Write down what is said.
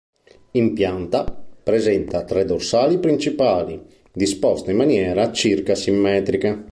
In pianta, presenta tre dorsali principali, disposte in maniera circa simmetrica.